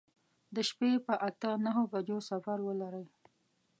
د شپې په اته نهو بجو سفر ولرئ.